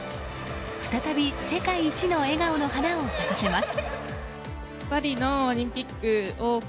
再び、世界一の笑顔の花を咲かせます。